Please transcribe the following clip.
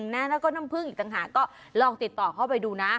แล้วก็น้ำผึ้งอีกต่างหากก็ลองติดต่อเข้าไปดูนะ